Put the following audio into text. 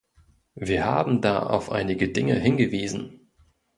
Wir haben da auf einige Dinge hingewiesen.